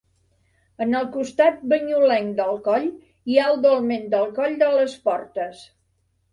En el costat banyulenc del coll hi ha el Dolmen del Coll de les Portes.